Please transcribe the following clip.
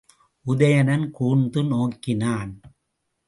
உதயணன் கூர்ந்து நோக்கினான்.